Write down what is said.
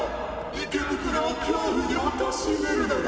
池袋を恐怖におとしいれるのだ！